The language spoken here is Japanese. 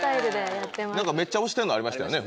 なんかめっちゃ押してるのありましたよね